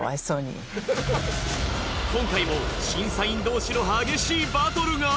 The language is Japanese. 今回も審査員同士の激しいバトルが？